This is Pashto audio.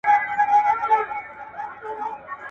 ستا د خالپوڅو د شوخیو وطن.